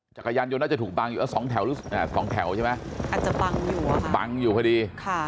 จักรยานยนต์น่าจะถูกบังอยู่สองแถวหรือสองแถวใช่ไหมอาจจะบังอยู่บังอยู่พอดี